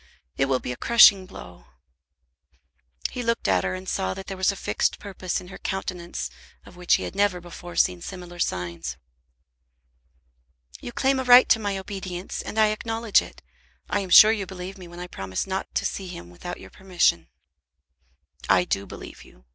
It will be a crushing blow." He looked at her, and saw that there was a fixed purpose in her countenance of which he had never before seen similar signs. "You claim a right to my obedience, and I acknowledge it. I am sure you believe me when I promise not to see him without your permission." "I do believe you.